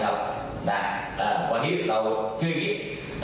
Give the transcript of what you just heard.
วันนี้เราด้วยนิด